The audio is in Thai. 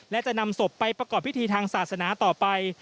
และจะนำศพไปประกอบพิธีทางศาสนาต่อไป